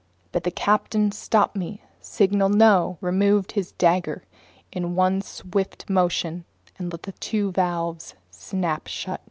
But the captain stopped me, signaled no, removed his dagger in one swift motion, and let the two valves snap shut.